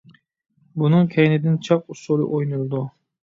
بۇنىڭ كەينىدىن چاق ئۇسسۇلى ئوينىلىدۇ.